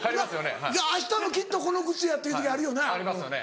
あしたもきっとこの靴やっていう時あるよな。ありますよね。